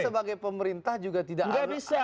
abang sebagai pemerintah juga tidak usah